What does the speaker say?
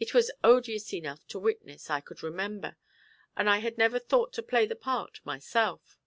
It was odious enough to witness, I could remember; and I had never thought to play the part myself.